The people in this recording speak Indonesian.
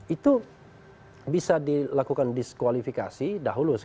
itu bisa dilakukan diskualifikasi dahulu